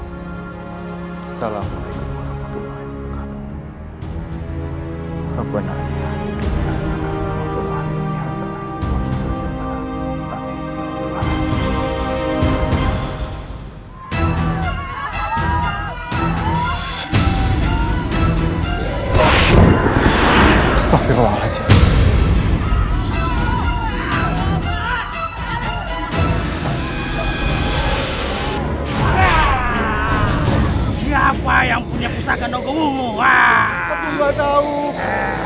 assalamualaikum warahmatullahi wabarakatuh